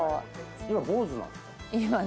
今坊主なんすか？